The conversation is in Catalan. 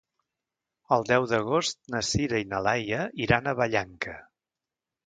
El deu d'agost na Sira i na Laia iran a Vallanca.